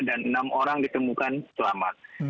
dan enam orang ditemukan selamat